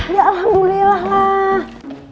ya alhamdulillah lah